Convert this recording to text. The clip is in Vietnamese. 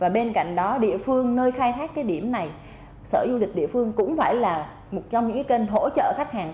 bên cạnh đó địa phương nơi khai thác cái điểm này sở du lịch địa phương cũng phải là một trong những kênh hỗ trợ khách hàng